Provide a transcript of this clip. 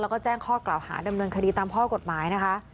แล้วก็แจ้งข้อกล่าวหาดำเนินคดีตามข้อกฎหมายนะคะ